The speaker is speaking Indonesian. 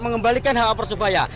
mengembalikan hak hak persebaya